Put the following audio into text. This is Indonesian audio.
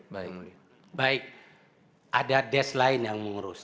baik baik ada des lain yang mengurus